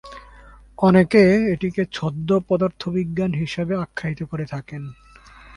অনেকে এটিকে ছদ্ম পদার্থবিজ্ঞান হিসাবে আখ্যায়িত করে থাকেন।